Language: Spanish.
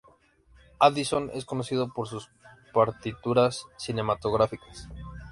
Addison es conocido por sus partituras cinematográficas.